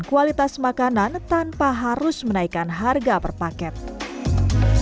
kualitas makanan tanpa apa apa alatnya tiga belas juta rupiah karena dia menyebabkan kesadaran klien yang tak percaya sama hal ini